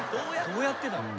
どうやってだろ？